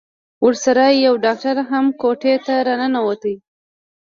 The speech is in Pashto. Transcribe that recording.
ورسره يو ډاکتر هم کوټې ته راننوت.